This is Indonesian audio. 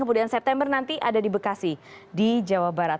kemudian september nanti ada di bekasi di jawa barat